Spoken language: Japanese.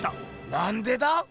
なんでだ？